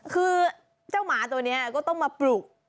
คือเจ้าหมาตัวนี้ก็ต้องมาปลุก